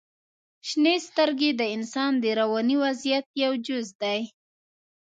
• شنې سترګې د انسان د رواني وضعیت یو جز دی.